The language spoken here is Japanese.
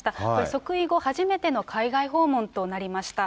即位後初めての海外訪問となりました。